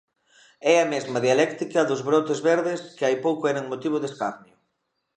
É a mesma dialéctica dos brotes verdes que hai pouco eran motivo de escarnio.